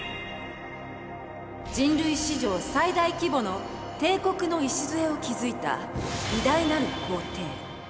人類史上最大規模の帝国の礎を築いた偉大なる皇帝。